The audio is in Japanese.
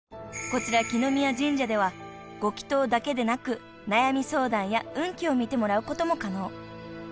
［こちら來宮神社ではご祈祷だけでなく悩み相談や運気を見てもらうことも可能］